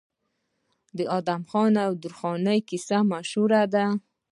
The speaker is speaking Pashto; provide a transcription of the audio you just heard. د ادم خان او درخانۍ کیسه مشهوره ده.